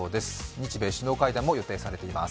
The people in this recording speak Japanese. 日米首脳会談も予定されています。